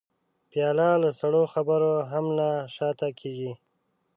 پیاله له سړو خبرو هم نه شا ته کېږي.